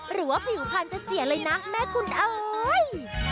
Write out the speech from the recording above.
หรือว่าผิวพันธุ์จะเสียเลยนะแม่คุณเอ๋ย